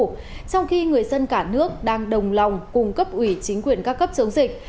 trong khi người dân cả nước đang đồng lòng cung cấp ủy chính quyền các cấp chống dịch